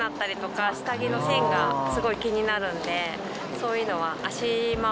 そういうのは。